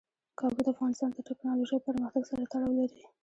کابل د افغانستان د تکنالوژۍ پرمختګ سره تړاو لري.